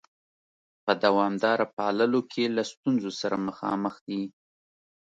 په دوامداره پاللو کې له ستونزو سره مخامخ دي؟